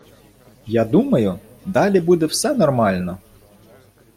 Я думаю, далі буде все нормально.